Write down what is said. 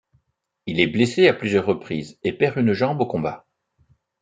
Il est blessé à plusieurs reprises et perd une jambe au combat.